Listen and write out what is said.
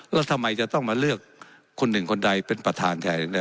แล้วทำไมจะต้องมาเลือกคนหนึ่งคนใดเป็นประธานแทน